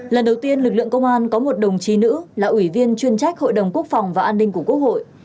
lần đầu tiên lực lượng công an có một đồng chí nữ là ủy viên chuyên trách hội đồng quốc phòng và an ninh của quốc hội